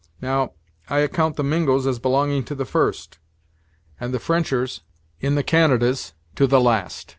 Now, I account the Mingos as belonging to the first, and the Frenchers, in the Canadas, to the last.